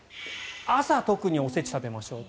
朝、特にお節を食べましょう。